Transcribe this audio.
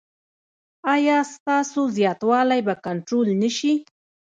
ایا ستاسو زیاتوالی به کنټرول نه شي؟